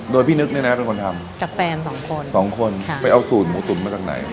โดยพี่นึกเนี่ยนะเป็นคนทำจากแฟนสองคนสองคนไปเอาสูตรหมูตุ๋นมาจากไหน